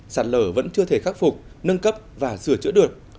sạt lở vẫn chưa thể khắc phục nâng cấp và sửa chữa được